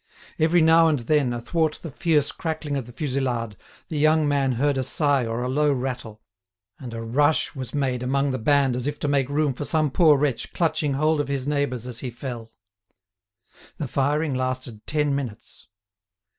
Every now and then, athwart the fierce crackling of the fusillade, the young man heard a sigh or a low rattle, and a rush was made among the band as if to make room for some poor wretch clutching hold of his neighbours as he fell. The firing lasted ten minutes.